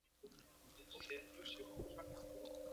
他是安格斯一世的兄弟。